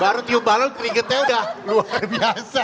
baru tiup bareng keringetnya udah luar biasa